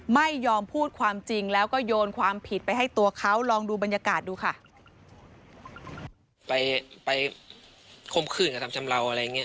ไม่ยอมพูดความจริงแล้วก็โยนความผิดไปให้ตัวเขาลองดูบรรยากาศดูค่ะ